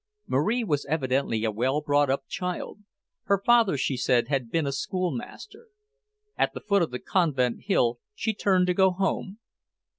Marie was evidently a well brought up child. Her father, she said, had been a schoolmaster. At the foot of the convent hill, she turned to go home.